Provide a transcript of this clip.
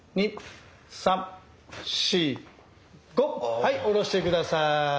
はい下ろして下さい。